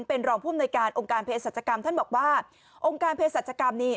เป็นรองภูมิในการองค์การเพศสัจกรรมท่านบอกว่าองค์การเพศรัชกรรมนี่